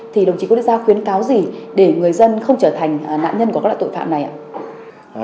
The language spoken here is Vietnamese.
thì đồng chí có đi ra khuyến cáo gì để người dân không trở thành nạn nhân của các loại tội phạm này ạ